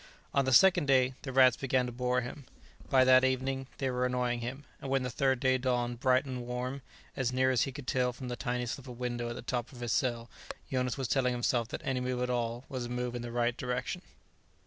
On the second day, the rats began to bore him. By that evening, they were annoying him, and when the third day dawned bright and warm as near as he could tell from the tiny slip of window at the top of his cell Jonas was telling himself that any move at all was a move in the right direction.